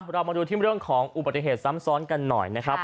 เรามาดูที่เรื่องของอุบัติเหตุซ้ำซ้อนกันหน่อยนะครับ